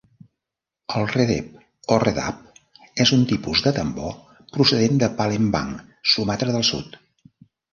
El redep o redap és un tipus de tambor procedent de Palembang, Sumatra del Sud.